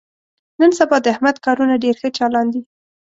نن سبا د احمد کارونه ډېر ښه چالان دي.